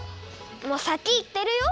もうさきいってるよ！